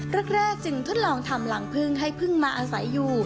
แรกจึงทดลองทำรังพึ่งให้พึ่งมาอาศัยอยู่